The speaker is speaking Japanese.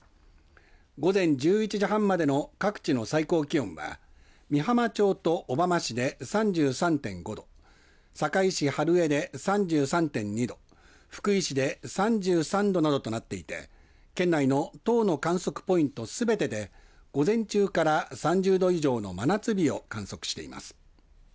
午前１１時半までの各地の最高気温は美浜町と小浜市で３３．５度、坂井市春江で３３．２度、福井市で３３度などとなっていて県内の１０の観測ポイントすべてで午前中から３０度以上の真夏日を観測しています。